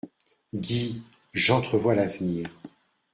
Guy ! j'entrevois l'avenir.